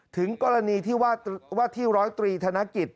ถึงกรณีที่ว่าที่๑๐๓ธนกิจ